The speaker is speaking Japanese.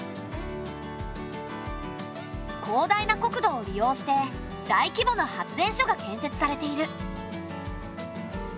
広大な国土を利用して大規模な発電所が建設されている。